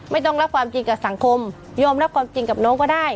ไม่ต้องรับความจริงกับสังคมยอมรับความจริงกับน้องก็ได้